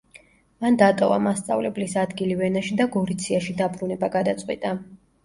მან დატოვა მასწავლებლის ადგილი ვენაში და გორიციაში დაბრუნება გადაწყვიტა.